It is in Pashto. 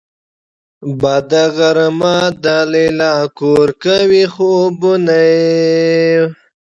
بده غرمه ده ليلا کور کوي خوبونه